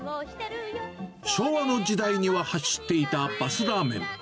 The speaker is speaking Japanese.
昭和の時代には走っていたバスラーメン。